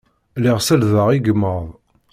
Lliɣ sellḍeɣ igmaḍ.